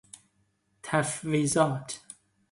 تفویضات